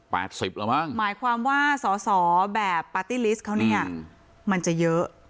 แปดสิบเหรอมั้งหมายความว่าสอแบบเขาเนี้ยอืมมันจะเยอะ